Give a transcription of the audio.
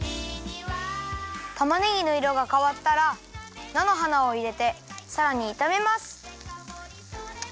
たまねぎのいろがかわったらなのはなをいれてさらにいためます。